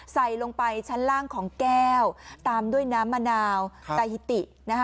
ใส่ลงไปชั้นล่างของแก้วตามด้วยน้ำมะนาวซาฮิตินะคะ